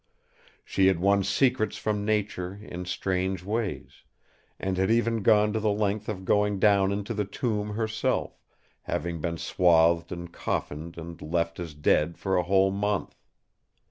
She had won secrets from nature in strange ways; and had even gone to the length of going down into the tomb herself, having been swathed and coffined and left as dead for a whole month.